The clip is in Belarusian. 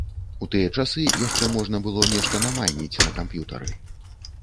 У тыя часы яшчэ можна было нешта намайніць на камп'ютары.